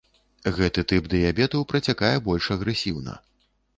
Гэты тып дыябету працякае больш агрэсіўна.